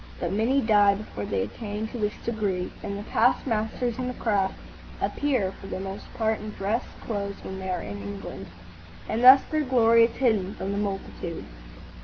But many die before they attain to this degree, and the past masters in the craft appear for the most part in dress clothes when they are in England, and thus their glory is hidden from the multitude.